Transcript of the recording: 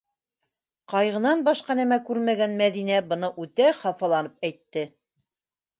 - Ҡайғынан башҡа нәмә күрмәгән Мәҙинә быны үтә хафаланып әйтте.